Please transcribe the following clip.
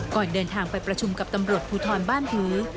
ก่อนเดินทางไปประชุมกับตำรวจภูทรบ้านถือ